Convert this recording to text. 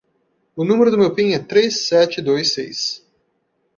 O número do meu pin é três, sete, dois, seis.